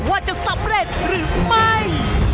ว่าจะสำเร็จหรือไม่